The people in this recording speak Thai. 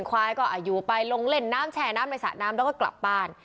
ควายก็อายุไปลงเล่นน้ำแช่น้ำในสระน้ำแล้วก็กลับบ้าน